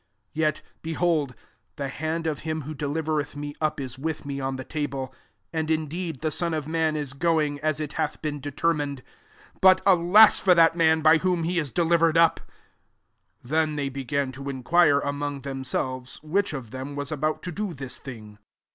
21 « Yet, behold, the hand of him who delivereth me up U with me on the table. 22 And indeed the Son of man is going, as it hath been determined ; but alas for that man by whom he is delivered up 1" 23 Then they began to inquire among themselves, which of them was about to do this thing.